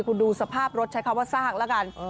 คุณดูสภาพรถใช้คำว่าซากแล้วกัน